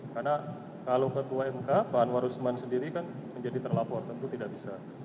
karena kalau ketua mk pak anwar usman sendiri kan menjadi terlapor tentu tidak bisa